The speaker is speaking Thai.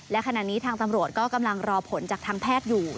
และขณะนี้ทางตำรวจก็กำลังรอผลจากทางแพทย์อยู่